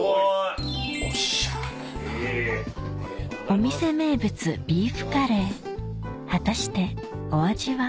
お店名物ビーフカレー果たしてお味は？